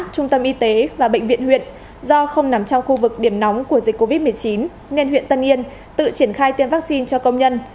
trung tâm y tế và bệnh viện huyện do không nằm trong khu vực điểm nóng của dịch covid một mươi chín nên huyện tân yên tự triển khai tiêm vaccine cho công nhân